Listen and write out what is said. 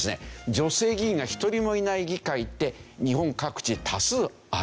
女性議員が一人もいない議会って日本各地多数あるんですよね。